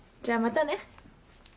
じゃあまたね。